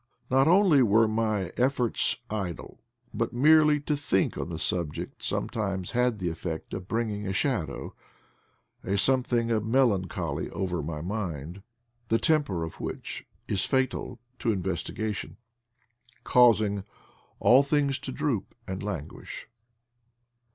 Not only were my efforts idle, but merely to think on the subject sometimes had the effect of bringing a shadow, a something of melancholy, over my mind, the temper which is fatal to inves AN '"MAN BURMI. PLACE rf VALLEY OF THE BLACK EIVER 41 tigation, causing "all things to droop and lan guish."